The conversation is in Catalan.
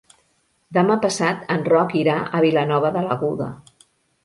Demà passat en Roc irà a Vilanova de l'Aguda.